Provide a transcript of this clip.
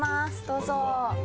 どうぞ。